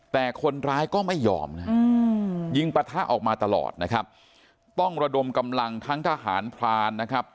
แต่คนร้ายก็ไม่ยอมนะยิงปะทะออกมาตลอดนะครับต้องระดมกำลังทั้งทหารพรานนะครับ